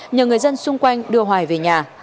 nhờ người dân xung quanh đưa hoài về nhà